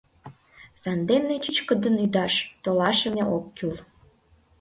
Сандене чӱчкыдын ӱдаш толашыме ок кӱл.